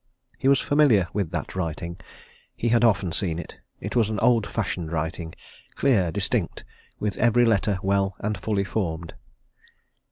He was familiar with that writing he had often seen it. It was an old fashioned writing clear, distinct, with every letter well and fully formed.